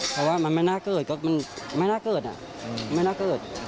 เพราะว่ามันไม่น่าเกิดก็มันไม่น่าเกิดไม่น่าเกิด